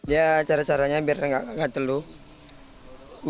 ya cara caranya biar nggak gatel dulu